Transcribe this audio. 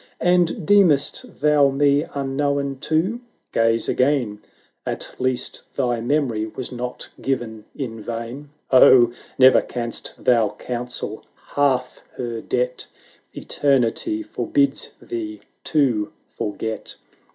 And deem'st thou me unknown too? Gaze again ! At least thy memory was not given in vain. 440 Oh ! never canst thou cancel half her debt — Eternity forbids thee to forget."